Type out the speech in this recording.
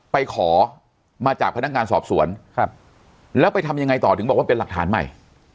ไปขอมาจากพนักงานสอบสวนครับแล้วไปทำยังไงต่อถึงบอกว่าเป็นหลักฐานใหม่